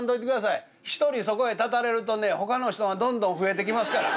１人そこへ立たれるとねほかの人がどんどん増えてきますから。